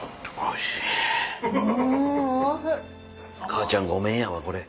母ちゃんごめんやわこれ。